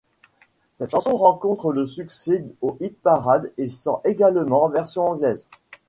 Cette chanson rencontre le succès au hit-parade et sort également en version anglaise.